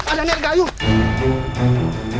nenek gayung itu masih hidup